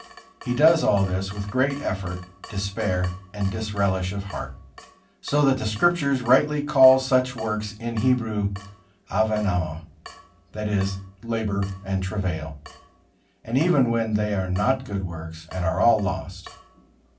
He does all this with great effort, despair and disrelish of heart, so that the Scriptures rightly call such works in Hebrew Avenama, that is, labor and travail. And even then they are not good works, and are all lost.